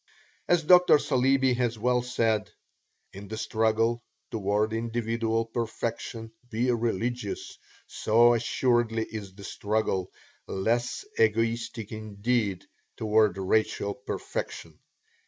As Dr. Saleeby has well said: "If the struggle toward individual perfection be religious, so assuredly is the struggle, less egoistic indeed, toward racial perfection.